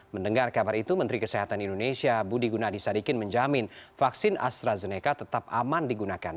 mendengar kabar itu menteri kesehatan indonesia budi gunadisadikin menjamin vaksin astrazeneca tetap aman digunakan